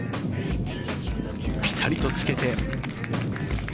ピタリとつけて。